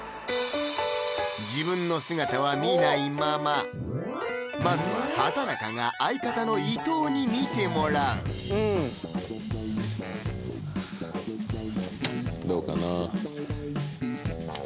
自分の姿は見ないまままずは畠中が相方の伊藤に見てもらうどうかな？